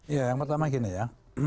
ya yang pertama gini ya